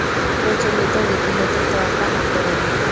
প্রচলিত রীতিনীতির তোয়াক্কা না করেই!